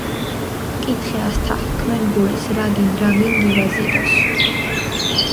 ჰკითხე ასთა, ჰქმენ გულის, რა გინდ რა ვინ გივაზიროს